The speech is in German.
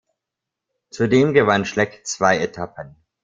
Zudem gewann Schleck zwei Etappen.